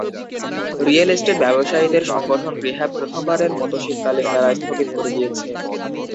Real estate ব্যবসায়ীদের সংগঠন রিহ্যাব প্রথমবারের মতো শীতকালীন মেলা স্থগিত করে দিয়েছে।